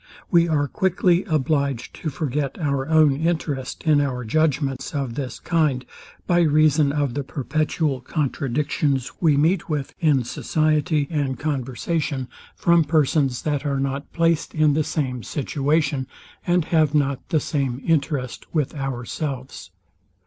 We are quickly obliged to forget our own interest in our judgments of this kind, by reason of the perpetual contradictions, we meet with in society and conversation, from persons that are not placed in the same situation, and have not the same interest with ourselves.